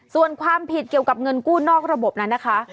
ส่วนความผิดเกี่ยวกับเงินกู้นอกระบบนั้นนะคะ